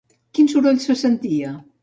Quin soroll se sentia?